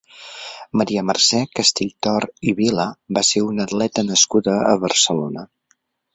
Maria Mercè Castelltort i Vila va ser una atleta nascuda a Barcelona.